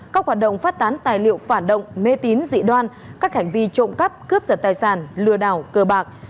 các hoạt động phát tán tài liệu phản động mê tín dị đoan các hành vi trộm cắp cướp giật tài sản lừa đảo cờ bạc